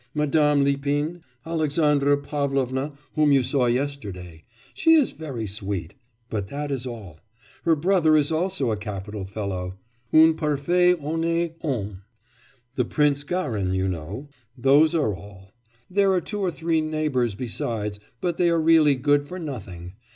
Madame Lipin, Alexandra Pavlovna, whom you saw yesterday; she is very sweet but that is all. Her brother is also a capital fellow un parfait honnête homme. The Prince Garin you know. Those are all. There are two or three neighbours besides, but they are really good for nothing.